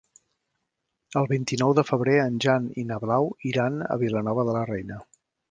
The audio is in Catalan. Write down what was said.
El vint-i-nou de febrer en Jan i na Blau iran a Vilanova de la Reina.